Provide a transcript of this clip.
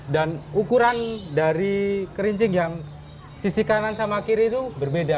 dan ukuran dari kerincing yang sisi kanan sama kiri itu berbeda